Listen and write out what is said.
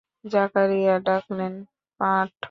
জাকারিয়া ডাকলেন, পাঠক।